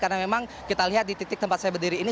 karena memang kita lihat di titik tempat saya berdiri ini